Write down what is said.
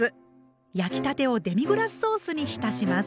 焼きたてをデミグラスソースにひたします。